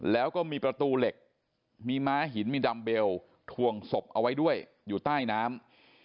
แล้วก็มีประตูเหล็กมีม้าหินมีดัมเบลทวงศพเอาไว้ด้วยอยู่ใต้น้ำ